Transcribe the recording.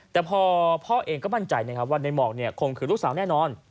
แต่พอพ่อเองก็มั่นใจนะครับว่าในหมอกคงคือลูกสาวแน่นอน